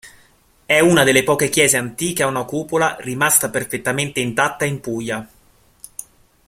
È una delle poche chiese antiche a una cupola rimasta perfettamente intatta in Puglia.